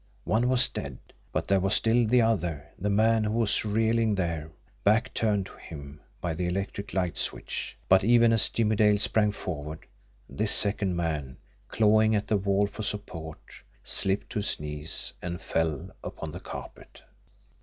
One was dead but there was still the other, the man who was reeling there, back turned to him, by the electric light switch. But even as Jimmie Dale sprang forward, this second man, clawing at the wall for support, slipped to his knees and fell upon the carpet.